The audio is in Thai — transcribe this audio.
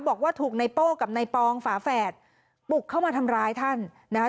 บอกว่าถูกในโป้กับในปองฝาแฝดบุกเข้ามาทำร้ายท่านนะคะ